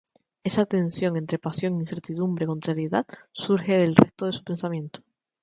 De esa tensión entre pasión-incertidumbre-contrariedad surge el resto de su pensamiento.